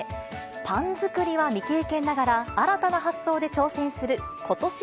パン作りは未経験ながら、新たな発想で挑戦することし